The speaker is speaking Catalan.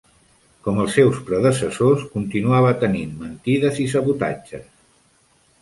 Com els seus predecessors, continuava tenint mentides i sabotatges.